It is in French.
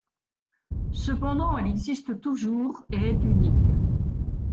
Cependant elle existe toujours et est unique.